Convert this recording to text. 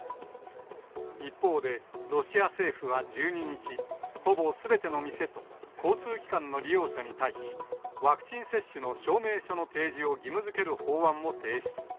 一方で、ロシア政府は１２日、ほぼすべての店と交通機関の利用者に対し、ワクチン接種の証明書の提示を義務づける法案を提出。